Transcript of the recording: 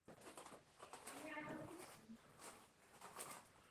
Podle mých informací se plánuje dalších osm zvláštních zón.